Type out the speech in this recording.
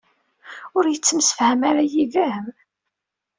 Ur yettemsefham ara yid-m?